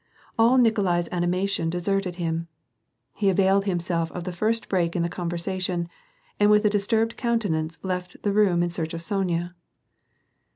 All Nikolai's anima 48 WAR AND PEACE. tiou deserted him. He availed himself of the first break in the conversation, and with a disturbed countenance left the room in search of Sonya.